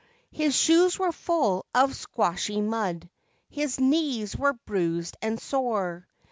His shoes were full of y mud; his knees were bruised sore.